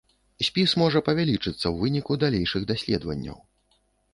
Спіс можа павялічыцца ў выніку далейшых даследаванняў.